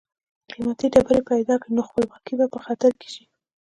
قیمتي ډبرې پیدا کړي نو خپلواکي به یې په خطر کې شي.